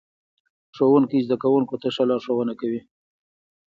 ښوونکی زده کوونکو ته ښه لارښوونه کوي